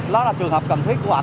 đó là trường hợp cần thiết của ảnh